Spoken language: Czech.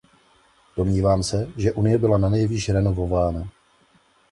Domnívám se, že Unie byla nanejvýš renovována.